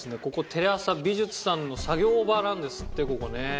ここテレ朝美術さんの作業場なんですってここね。